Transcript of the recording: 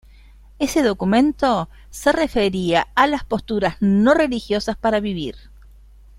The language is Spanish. Ese documento se refería a "las posturas no religiosas para vivir".